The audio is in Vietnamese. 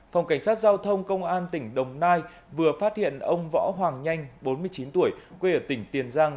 phòng cảnh sát giao thông công an tỉnh đồng nai vừa phát hiện ông võ hoàng nhanh bốn mươi chín tuổi quê ở tỉnh tiền giang